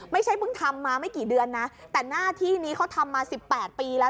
ไม่ใช่เพิ่งทำมาไม่กี่เดือนนะแต่หน้าที่นี้เขาทำมาสิบแปดปีแล้ว